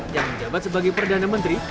yang menjabat sebagai perdana menteri